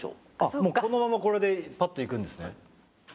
もうこのままこれでパッといくんですね